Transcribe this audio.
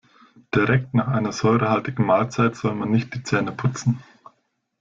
Direkt nach einer säurehaltigen Mahlzeit soll man nicht die Zähne putzen.